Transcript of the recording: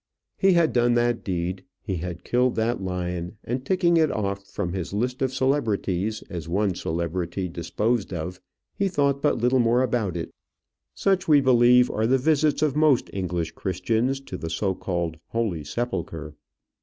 He had done that deed, he had killed that lion, and, ticking it off from his list of celebrities as one celebrity disposed of, he thought but little more about it. Such, we believe, are the visits of most English Christians to the so called Holy Sepulchre.